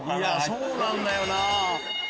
そうなんだよな。